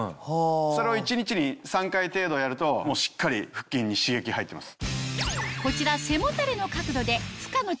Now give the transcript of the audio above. それを一日に３回程度やるとしっかり腹筋に刺激が入ってます。